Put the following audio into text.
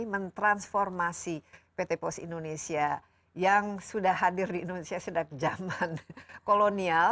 mentransformasi pt pos indonesia yang sudah hadir di indonesia sejak zaman kolonial